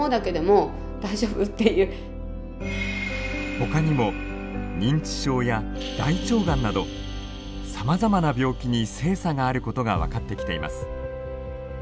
ほかにも認知症や大腸がんなどさまざまな病気に性差があることが分かってきています。